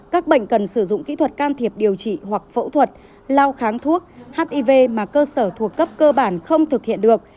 các bệnh cần sử dụng kỹ thuật can thiệp điều trị hoặc phẫu thuật lao kháng thuốc hiv mà cơ sở thuộc cấp cơ bản không thực hiện được